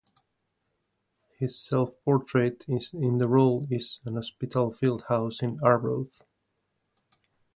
His self-portrait in the role is in Hospitalfield House in Arbroath.